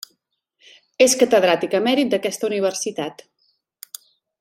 És catedràtic emèrit d'aquesta universitat.